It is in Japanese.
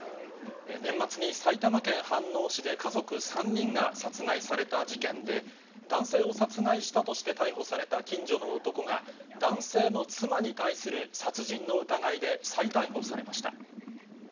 年末に埼玉県飯能市で家族３人が殺害された事件で、男性を殺害したとして逮捕された近所の男が、男性の妻に対する殺人の疑いで再逮捕されました。